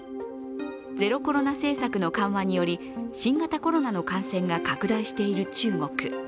ゼロコロナ政策の緩和により新型コロナの感染が拡大している中国。